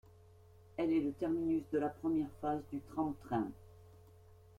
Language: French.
Elle est le terminus de la première phase du tram-train.